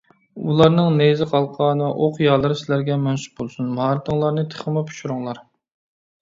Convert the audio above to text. ئۇلارنىڭ نەيزە، قالقان ۋە ئوق يالىرى سىلەرگە مەنسۇپ بولسۇن، ماھارىتىڭلارنى تېخىمۇ پىشۇرۇڭلار.